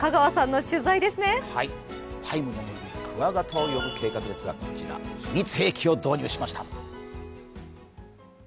「ＴＩＭＥ，の森」にクワガタを呼ぶ計画ですが、こちら秘密兵器を導入しました。